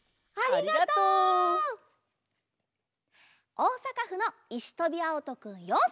おおさかふのいしとびあおとくん４さいから。